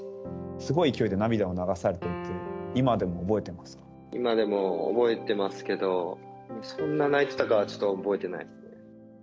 すごい勢いで涙を流されてた今でも覚えてますけど、そんな泣いてたかはちょっと覚えてないです。